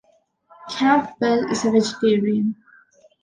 Campbell is a vegetarian.